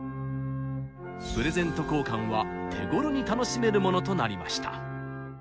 プレゼント交換は手ごろに楽しめるものとなりました。